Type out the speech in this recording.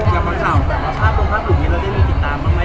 อยากมาถามแบบว่าภาพลวงภาพหลุดนี้เราได้มีติดตามหรือไม่